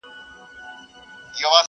نه یوازي به دي دا احسان منمه!.